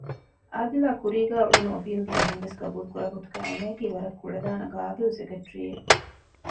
އާދިލާ ކުރީގައި އުޅުނު އޮފީހުގެ އެންމެންވެސް ގަބޫލު ކުރާގޮތުގައި އޭނާއަކީ ވަރަށް ކުޅަދާނަ ޤާބިލް ސެކެޓްރީއެއް